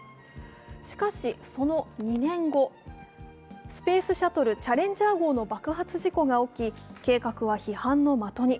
しかし、その２年後、スペースシャトル・チャレンジャー号の爆発事故が起き計画は批判の的に。